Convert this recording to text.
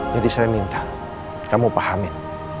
jadi saya minta kamu pahamin